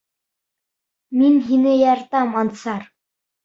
Мин һине яратам, Ансар!